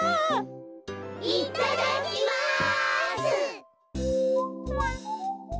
いただきます！